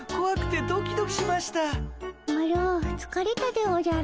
マロつかれたでおじゃる。